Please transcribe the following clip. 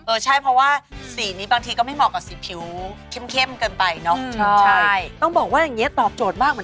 เออใช่เพราะว่าสีนี้บางทีก็ไม่เหมาะกับสีผิวเข้มเกินไปเนาะ